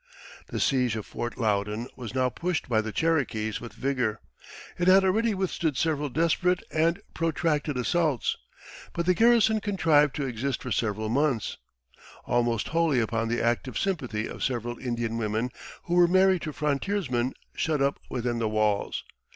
The siege of Fort Loudon was now pushed by the Cherokees with vigor. It had already withstood several desperate and protracted assaults. But the garrison contrived to exist for several months, almost wholly upon the active sympathy of several Indian women who were married to frontiersmen shut up within the walls.